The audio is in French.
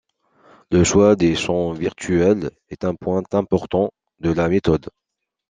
Le choix des champs virtuels est un point important de la méthode.